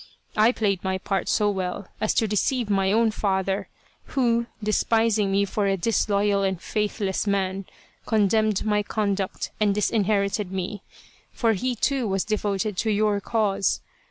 I played my part so well as to de ceive my own father, who, despising me for a disloyal and faithless man, condemned my conduct and dis inherited me, for he, too, was devoted to your cause.